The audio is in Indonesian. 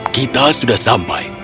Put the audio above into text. kita sudah sampai